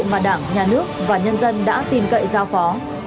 mà đảng nhà nước và nhân dân đã tin cậy giao phó